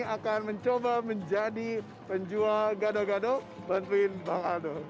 akan mencoba menjadi penjual gado gado bantuin bang aldo